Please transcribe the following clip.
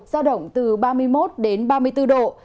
giao động từ ba mươi một đến ba mươi bốn độ